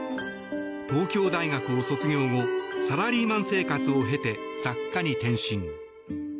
東京大学を卒業後サラリーマン生活を経て作家に転身。